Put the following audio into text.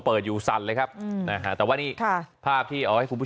เปิดอยู่สั่นเลยครับนะฮะแต่ว่านี่ค่ะภาพที่เอาให้คุณผู้ชม